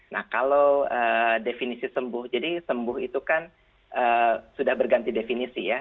nah kalau definisi sembuh jadi sembuh itu kan sudah berganti definisi ya